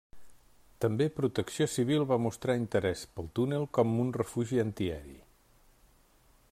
També protecció civil va mostrar interès, pel túnel com un refugi antiaeri.